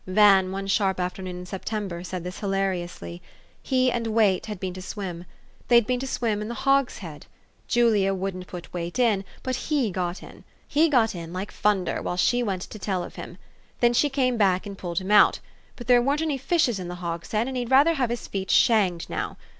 '* Van, one sharp afternoon in September, said this hilariously. He and Wait had been to swim. They'd been to swim in the hogshead. Julia wouldn't put Wait in ; but lie got in. He got in like funder, while she went to tell of him. Then she came back and pulled hun out. But there weren't any fishes in the hogshead, and he'd rather have^his feet shanged now.